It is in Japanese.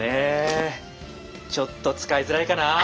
ちょっと使いづらいかな。